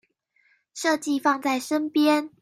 設計放在身邊